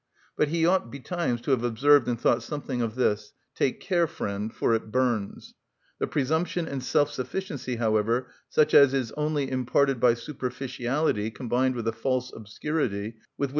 But he ought betimes to have observed and thought something of this: "Take care, friend, for it burns." The presumption and self sufficiency, however, such as is only imparted by superficiality combined with a false obscurity, with which M.